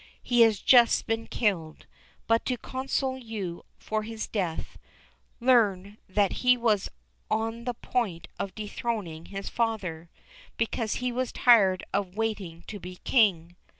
He has just been killed; but to console you for his death, learn that he was on the point of dethroning his father, because he was tired of waiting to be King."